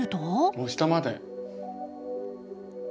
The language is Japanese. もう下まで。